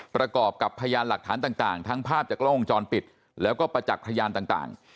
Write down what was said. ประกอบกับพยานหลักฐานต่างทั้งภาพจากกล้องวงจรปิดแล้วก็ประจักษ์พยานต่าง